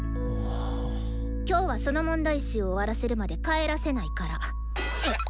今日はその問題集終わらせるまで帰らせないから。